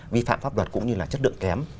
vi phạm pháp luật cũng như là chất lượng kém